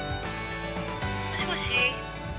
もしもし。